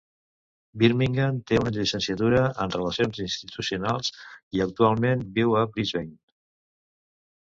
Birmingham té una llicenciatura en relacions internacionals i actualment viu a Brisbane.